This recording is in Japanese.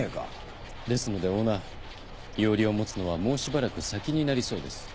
ですのでオーナー庵を持つのはもうしばらく先になりそうです。